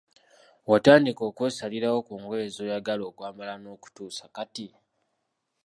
Watandika okwesalirawo ku ngoye zoyagala okwambala nokutuusa kati.